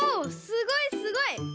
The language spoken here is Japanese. すごいすごい！